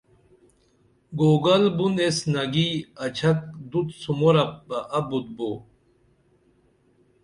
گوگل بُن ایس نگی اچھک دُت سُمورپ بہ ابُت بو